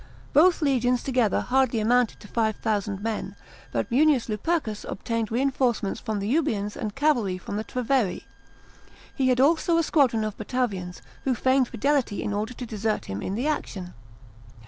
Both legions together hardly amounted to 5000 men, but Mnnius Lupercus obtained reinforce ments from the Ubians and cavalry from the Treveri. He had also a squadron of Batavians, who feigned fidelity in order to desert him in the action.